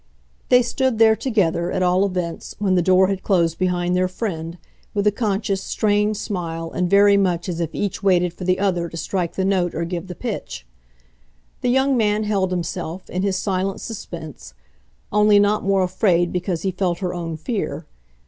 They stood there together, at all events, when the door had closed behind their friend, with a conscious, strained smile and very much as if each waited for the other to strike the note or give the pitch. The young man held himself, in his silent suspense only not more afraid because he felt her own fear.